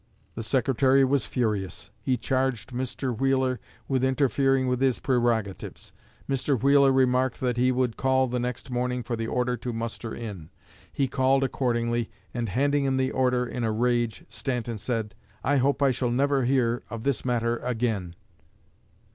The Secretary was furious. He charged Mr. Wheeler with interfering with his prerogatives. Mr. Wheeler remarked that he would call the next morning for the order to muster in. He called accordingly, and, handing him the order, in a rage, Stanton said, "I hope I shall never hear of this matter again."